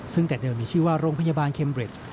ซึ่งแต่เดิมมีชื่อว่าโรงพยาบาลเคมเร็ด